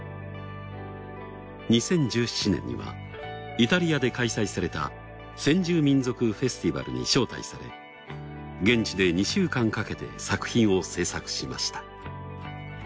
２０１７年にはイタリアで開催された先住民族フェスティバルに招待され現地で２週間かけて作品を制作しました。